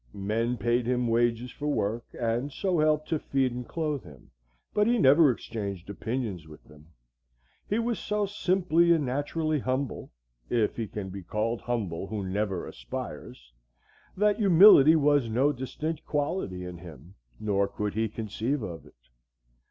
Men paid him wages for work, and so helped to feed and clothe him; but he never exchanged opinions with them. He was so simply and naturally humble—if he can be called humble who never aspires—that humility was no distinct quality in him, nor could he conceive of it.